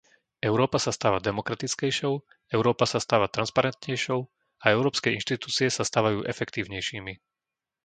Európa sa stáva demokratickejšou, Európa sa stáva transparentnejšou a európske inštitúcie sa stávajú efektívnejšími.